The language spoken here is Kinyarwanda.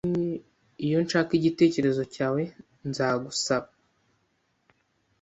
Iyo nshaka igitekerezo cyawe, nzagusaba